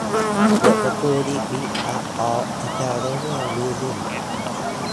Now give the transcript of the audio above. The school is made up of several buildings.